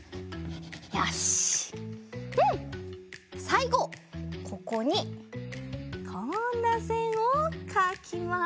さいごここにこんなせんをかきます。